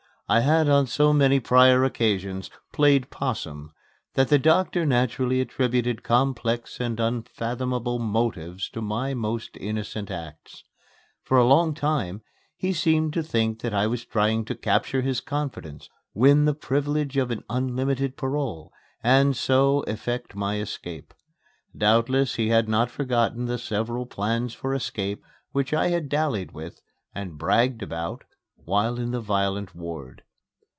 I had on so many prior occasions "played possum" that the doctor naturally attributed complex and unfathomable motives to my most innocent acts. For a long time he seemed to think that I was trying to capture his confidence, win the privilege of an unlimited parole, and so effect my escape. Doubtless he had not forgotten the several plans for escape which I had dallied with and bragged about while in the violent ward.